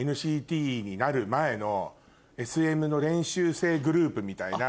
ＮＣＴになる前のＳＭの練習生グループみたいな。